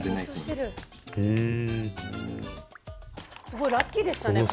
すごいラッキーでしたね